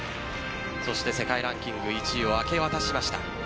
そして、世界ランキング１位を明け渡しました。